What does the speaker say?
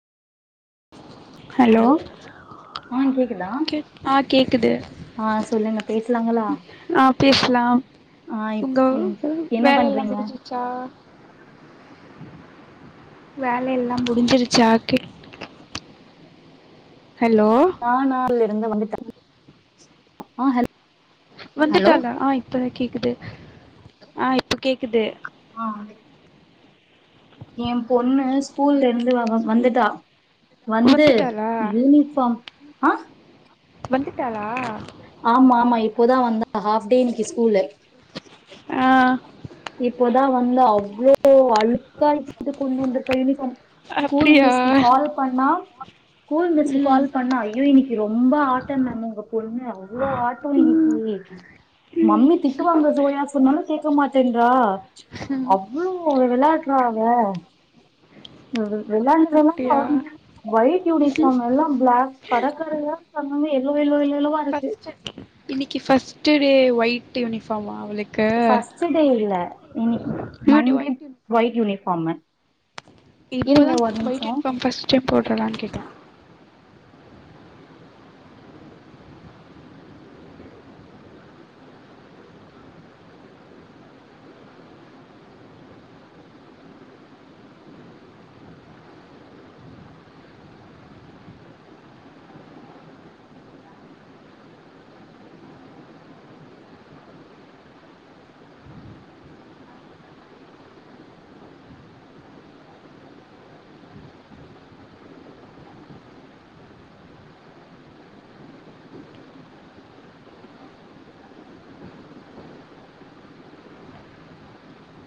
hello ஆ கேக்குதா கே ஆ கேக்குது ஆ சொல்லுங்க பேசலாங்களா ஆ பேச்லா ஆ இப் உங்க ம் வ என்ன வேல எல்லா பண்றீங்க முடிஞ்சிடுச்சா வேல எல்லா முடிஞ்சிருச்சா கே ஹலோ ஆ நால்லே இங்க வந்து த ஆ ஹல் வந்துட்டால ஆ இப்ப கேக்குது ஆ இப்பக் கேக்குது ஏ பொண்ணு ஸ்கூல்ல இ ருந்து அவ வந்துட்டா வந்து வந்துட்டாளா யூனிஃபார்ம் ஆஹ் வந்துட்டா ஆமா ஆமா இப் போதா வந்தா ஹாஃப் டே இன்னிக்கு ஸ்கூல்லு ஆஹ் இப்போதா வந்தா அவ்ளோ அழு [inaudible] கொண்டு வந்து கைல சா ஸ்கூல் அப்டியா மிஸ்க்கு கால் பண்ணா ஸ்கூல் மிஸ்கு ம் கால் பண்ணா ஐயோ இன்னிக்கு ரொம்ப ஆட்ட மேம் உங்க பொண்ணு அவ்ளோ ஆட்டொ ம் இன்னிக்கி மம்மி திட்டுவாங்க சோயா சொன்னாலு கேக்க மாட் டென்றா அவ்ளோ வெளையாட்றா ஏ உம் வெளாண்டு வெளான்டு அப்டியா அவ ஒயிட் யூனிஃபார்ம் எல்லா பிளாக் கர கரையாக்கு எல்லாமே எல்லோ எல்லோ எல்லோ ஃபர்ஸ்ட்டு இன்னிக்கு ஃபர்ஸ் ட்டு டே ஒயிட் யூனிஃபார்மா அவளுக் ஃபர்ஸ்ட்டு டே இல்ல இன்னிக்கு யூனி Monday white uniform white uniform இப்பதா இருங்க ஒரு ஒயிட் நிமிஷொ யூனிஃபார்ம் ஃபஸ்ட் டைம் போட்றாளான்னு கேட்டே